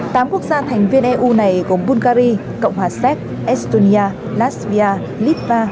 tám quốc gia thành viên eu này gồm bulgari cộng hòa sép estonia latvia litva